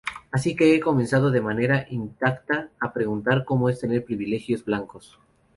Así que he comenzado de manera intacta a preguntar cómo es tener privilegios blancos.